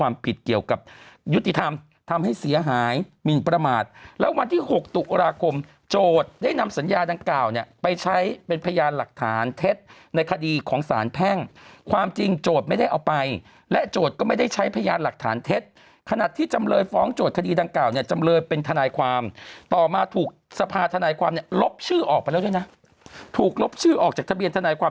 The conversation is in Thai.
เมื่อ๖ตุลาคมโจทย์ได้นำสัญญาดังกล่าวเนี่ยไปใช้เป็นพยานหลักฐานเท็จในคดีของสารแพ่งความจริงโจทย์ไม่ได้เอาไปและโจทย์ก็ไม่ได้ใช้พยานหลักฐานเท็จขนาดที่จำเลยฟ้องโจทย์คดีดังกล่าวเนี่ยจำเลยเป็นทนายความต่อมาถูกสภาทนายความลบชื่อออกไปแล้วด้วยนะถูกลบชื่อออกจากทะเบียนทนายความ